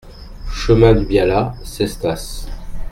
Chemin du Biala, Cestas